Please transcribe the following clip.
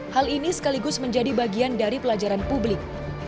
hal ini sekaligus menjadi bagian dari pelajaran publik